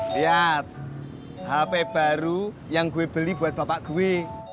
lihat hp baru yang gue beli buat bapak gue